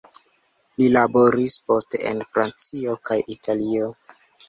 Li laboris poste en Francio kaj Italio.